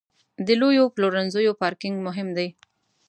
د لویو پلورنځیو پارکینګ مهم دی.